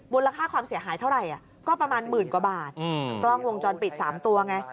ค่าความเสียหายเท่าไหร่ก็ประมาณหมื่นกว่าบาทกล้องวงจรปิด๓ตัวไง